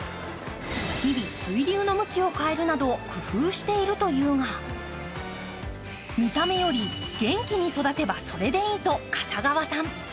日々、水流の向きを変えるなど工夫しているというが見た目より、元気の育てばそれでいいと、笠川さん。